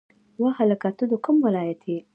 وا هلکه ته د کوم ولایت یی